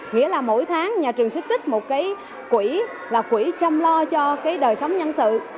nghĩa là mỗi tháng nhà trường sẽ trích một cái quỹ là quỹ chăm lo cho cái đời sống nhân sự